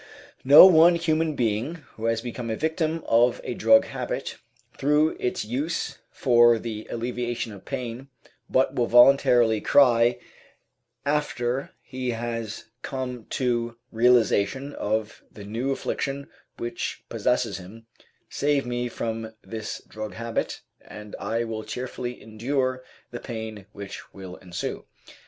Not one human being who has become a victim of a drug habit through its use for the alleviation of pain but will voluntarily cry after he has come to realization of the new affliction which possesses him, "save me from this drug habit, and I will cheerfully endure the pain which will ensue."